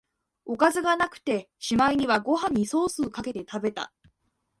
おかずがなくて、しまいにはご飯にソースかけて食べた